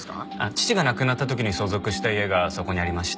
父が亡くなった時に相続した家がそこにありまして。